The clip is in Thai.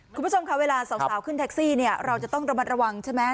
คุณผู้ชมค่ะเวลาสาวขึ้นแท็กซี่เนี่ยเราจะต้องระมัดระวังใช่ไหม